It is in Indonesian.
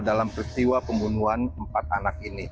dalam peristiwa pembunuhan empat anak ini